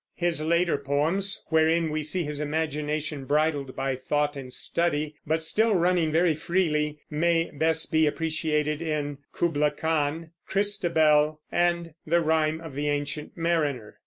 His later poems, wherein we see his imagination bridled by thought and study, but still running very freely, may best be appreciated in "Kubla Khan," "Christabel," and "The Rime of the Ancient Mariner."